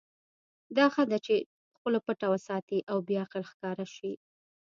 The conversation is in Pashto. دا ښه ده چې خوله پټه وساتې او بې عقل ښکاره شې.